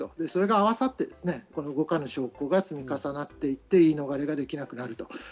それが合わさって動かぬ証拠が積み重なっていって、言い逃れができなくなると。